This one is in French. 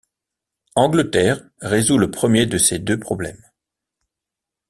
Angleterre résout le premier de ces deux problèmes.